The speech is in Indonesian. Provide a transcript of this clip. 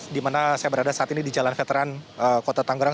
di mana saya berada saat ini di jalan veteran kota tanggerang